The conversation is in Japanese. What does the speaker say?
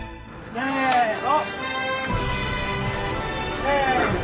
せの！